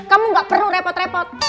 kamu gak perlu repot repot